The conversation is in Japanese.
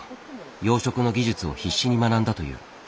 養殖の技術を必死に学んだという。